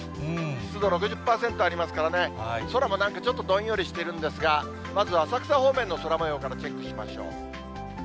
湿度６０％ありますからね、空もなんかちょっとどんよりしてるんですが、まず、浅草方面の空もようからチェックしましょう。